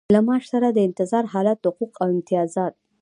له معاش سره د انتظار حالت حقوق او امتیازات.